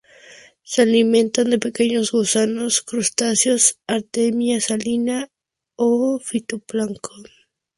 Se alimentan de pequeños gusanos, crustáceos, "Artemia salina" o fitoplancton.